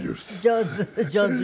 上手上手に？